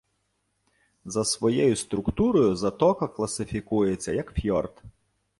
За своєю структурою затока класифікується як фйорд.